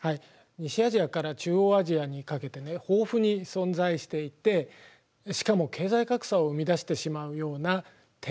西アジアから中央アジアにかけてね豊富に存在していてしかも経済格差を生み出してしまうような天然資源。